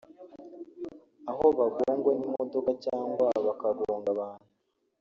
aho bagongwa n’imodoka cyangwa bakagonga abantu